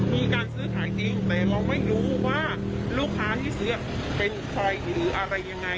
มีการซื้อขายจริงแต่เราไม่รู้ว่าลูกค้าที่ซื้อเป็นใครหรืออะไรยังไง